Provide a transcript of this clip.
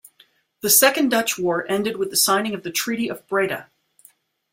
The Second Dutch War ended with the signing of the Treaty of Breda.